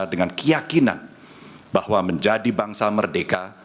dengan keyakinan bahwa menjadi bangsa merdeka